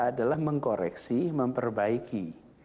adalah mengkoreksi memperbaiki